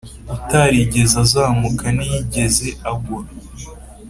utarigeze azamuka ntiyigeze agwa.